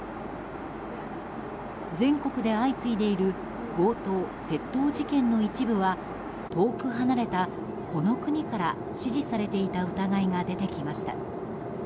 全国で相次いでいる強盗・窃盗事件の一部は遠く離れたこの国から指示されていた疑いが出てきました。